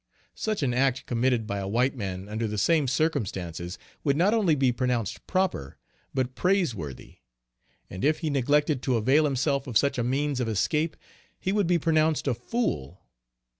Such an act committed by a white man under the same circumstances would not only be pronounced proper, but praiseworthy; and if he neglected to avail himself of such a means of escape he would be pronounced a fool.